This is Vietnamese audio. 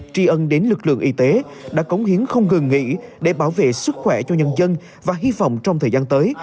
tri ân đến lực lượng y tế đã cống hiến không ngừng nghỉ để bảo vệ sức khỏe cho nhân dân và hy vọng trong thời gian tới